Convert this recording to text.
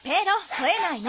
ほえないの。